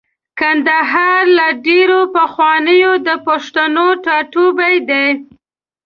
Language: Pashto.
کندهار له ډېرې پخوانه د پښتنو ټاټوبی دی.